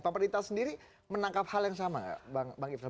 pak perdita sendiri menangkap hal yang sama nggak bang ipsel